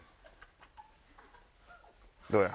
どうや？